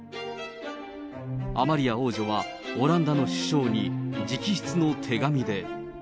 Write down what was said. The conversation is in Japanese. アマリア王女はオランダの首相に直筆の手紙で。